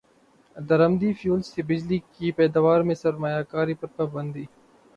درامدی fuel سے بجلی کی پیداوار میں سرمایہ کاری پر پابندی